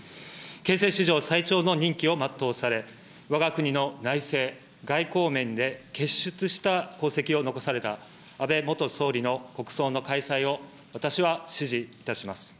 憲政史上最長の任期を全うされ、えわが国の内政、外交面で、傑出した功績を残された安倍元総理の国葬の開催を私は支持いたします。